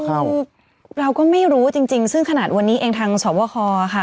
คือเราก็ไม่รู้จริงซึ่งขนาดวันนี้เองทางสวคอค่ะ